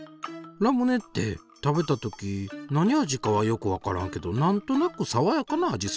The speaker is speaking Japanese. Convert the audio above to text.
ラムネって食べた時なに味かはよくわからんけどなんとなくさわやかな味するやん？